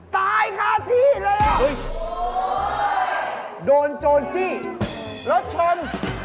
ตายขาดที่เลยโดนโจรที่รถชน